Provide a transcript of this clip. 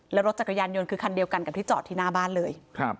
แล้วรถจักรยานยนต์คือคันเดียวกันกับที่จอดที่หน้าบ้านเลย